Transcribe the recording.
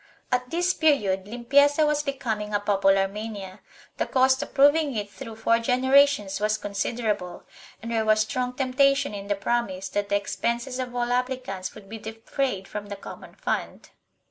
At this period limpieza was becoming a popular mania; the cost of proving it through four generations was considerable, and there was strong temptation in the promise that the expenses of all applicants would be defrayed from the common fund.